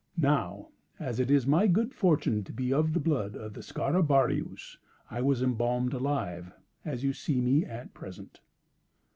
Now, as it is my good fortune to be of the blood of the Scarabaeus, I was embalmed alive, as you see me at present."